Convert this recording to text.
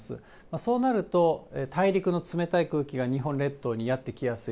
そうなると、大陸の冷たい空気が日本列島にやって来やすい。